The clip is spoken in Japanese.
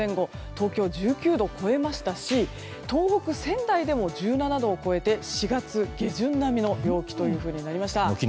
東京は１９度を超えましたし東北・仙台でも１７度を超えて４月下旬並みの陽気というふうになりました。